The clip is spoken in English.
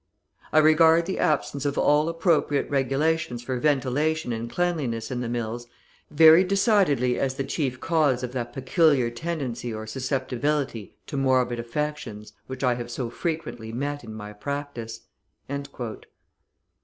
I regard the absence of all appropriate regulations for ventilation and cleanliness in the mills very decidedly as the chief cause of that peculiar tendency or susceptibility to morbid affections which I have so frequently met in my practice."